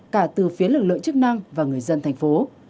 cả từ phía lực lượng chức năng và người dân thành phố